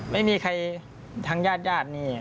ไม่มีใครทั้งญาตินี่